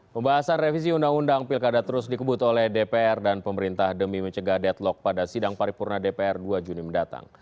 pembahasan revisi undang undang pilkada terus dikebut oleh dpr dan pemerintah demi mencegah deadlock pada sidang paripurna dpr dua juni mendatang